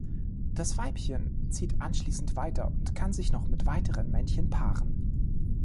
Das Weibchen zieht anschließend weiter und kann sich noch mit weiteren Männchen paaren.